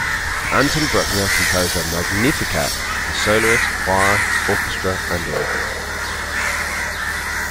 Anton Bruckner composed a "Magnificat" for soloists, choir, orchestra, and organ.